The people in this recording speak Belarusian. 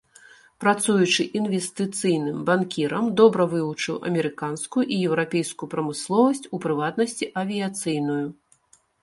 Працуючы інвестыцыйным банкірам добра вывучыў амерыканскую і еўрапейскую прамысловасць, у прыватнасці, авіяцыйную.